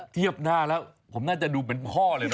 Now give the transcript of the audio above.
เฉียบผมน่าจะดูเป็นพ่อเลยนะ